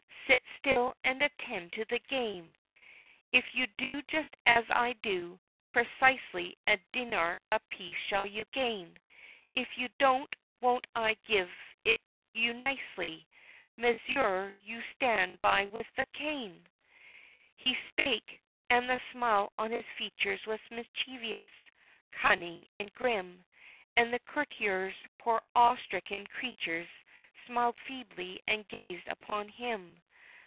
sit still and attend to the game. "If you do just as I do, precisely, a dînâr apiece shall ye gain, If you don't, won't I give it you nicely Mesrour you stand by with the cane!" He spake: and the smile on his features was mischievous, cunning and grim, And the courtiers, poor awe stricken creatures, smiled feebly and gazed upon him.